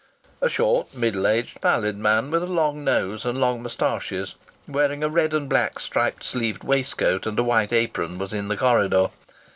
A short, middle aged, pallid man, with a long nose and long moustaches, wearing a red and black striped sleeved waistcoat and a white apron, was in the corridor.